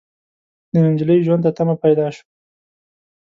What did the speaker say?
د نجلۍ ژوند ته تمه پيدا شوه.